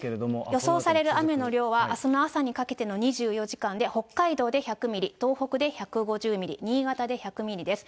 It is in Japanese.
予想される雨の量は、あすの朝にかけての２４時間で、北海道で１００ミリ、東北で１５０ミリ、新潟で１００ミリです。